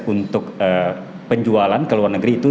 untuk penjualan ke luar negeri itu